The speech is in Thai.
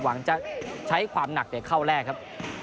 หวังจะใช้ความหนักเข้าแรกครับ